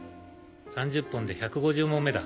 ３０本で１５０匁だ。